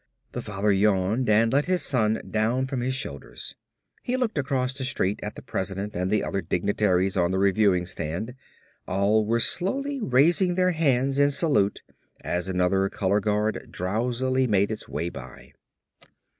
The father yawned and let his son down from his shoulders. He looked across the street at the president and the other dignitaries on the reviewing stand. All were slowly raising their hands in salute as another color guard drowsily made its way by.